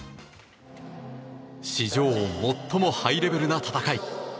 史上最もハイレベルな戦い。